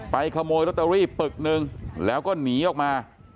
ขโมยลอตเตอรี่ปึกหนึ่งแล้วก็หนีออกมา